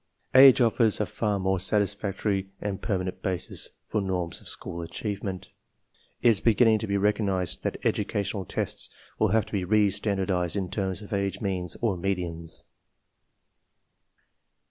Age offer s a far more satisfactory and per THE PROBLEM 7 manent basis for normsnf gnhonl RohWgmftnt. It is K 'beguming to be recognke<TSat educational tests will V have to be re standardized in terms of age means or medians.